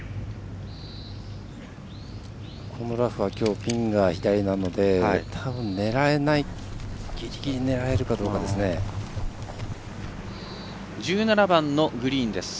このラフはきょうはピンが左なのでたぶん狙えないギリギリ狙えるかどうかですね。